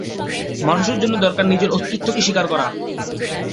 মানুষের জন্য দরকার নিজের অস্তিত্বকে স্বীকার করা।